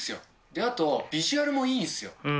あと、ビジュアルもいいんですよ。